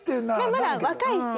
まだ若いし。